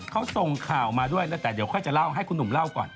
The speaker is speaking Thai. เขาส่งข่าวมาด้วยนะแต่เดี๋ยวก็จะเล่าให้คุณหนูเล่าก่อน